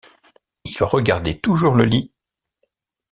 Il regardait toujours le lit.